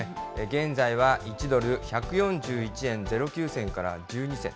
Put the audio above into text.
現在は１ドル１４１円０９銭から１２銭。